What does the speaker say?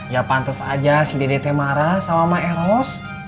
ya pantas aja si dedetnya marah sama maeros